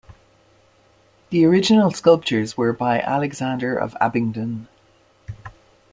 The original sculptures were by Alexander of Abingdon.